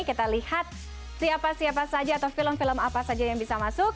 kita lihat siapa siapa saja atau film film apa saja yang bisa masuk